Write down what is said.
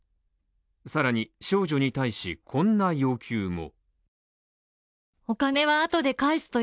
さらに、少女に対し、こんな要求も。